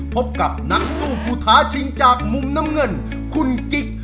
พบกับนักสู้ผู้ท้าชิงจากมุมน้ำเงินคุณกิ๊ก